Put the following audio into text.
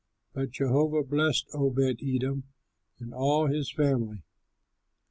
But Jehovah blessed Obed edom and all his family.